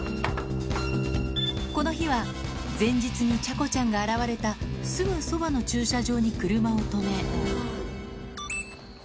この日は、前日にちゃこちゃんが現れたすぐそばの駐車場に車を止め。